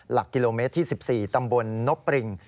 หลักกิโลเมตรที่๑๔ตำบลนบปริง